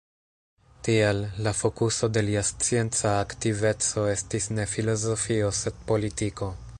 Tial, la fokuso de lia scienca aktiveco estis ne filozofio, sed politiko.